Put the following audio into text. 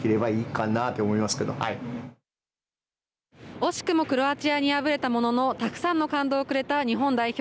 惜しくもクロアチアに敗れたもののたくさんの感動をくれた日本代表。